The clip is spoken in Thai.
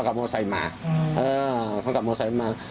เขากลับโมเซอร์มา